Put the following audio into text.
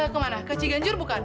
ke mana ke ciganjur bukan